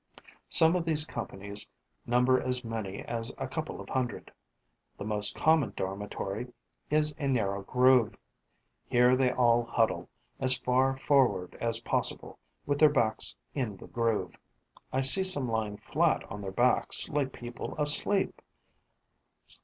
Some of these companies number as many as a couple of hundred. The most common dormitory is a narrow groove. Here they all huddle, as far forward as possible, with their backs in the groove. I see some lying flat on their backs, like people asleep.